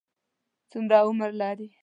څومره عمر لري؟